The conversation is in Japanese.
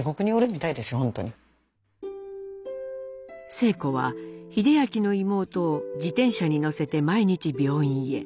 晴子は英明の妹を自転車に乗せて毎日病院へ。